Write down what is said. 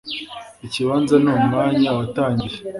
Ikibanza ni Umwanya watangiye